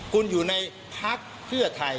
คุณอยู่ในพักเพื่อไทย